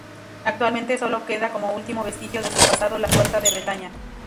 Actualmente sólo queda, como último vestigio de su pasado la "Puerta de Bretaña".